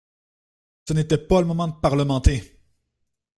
Ce n’était pas le moment de parlementer!